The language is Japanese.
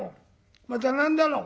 また何だろ？